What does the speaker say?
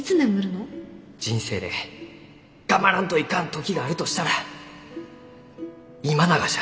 人生で頑張らんといかん時があるとしたら今ながじゃ。